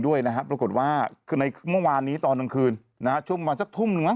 ด้วยนะครับรวมกฎว่าคือในเมื่อวานนี้ตอนต่างคืนนะฮะช่วงประมาณสักทุ่มนึง